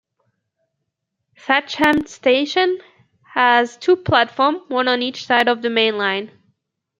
Thatcham station has two platforms, one on each side of the main line.